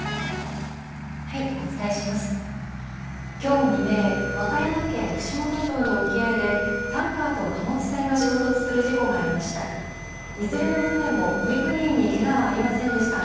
きょう未明、和歌山県串本町の沖合でタンカーと貨物船が衝突する事故がありました。